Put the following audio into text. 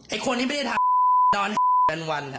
ไอ้คนที่ไม่ได้ทานนอนแบนวัน